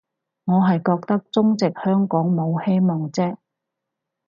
我係覺得中殖香港冇希望啫